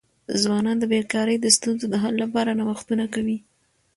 ځوانان د بېکاری د ستونزو د حل لپاره نوښتونه کوي.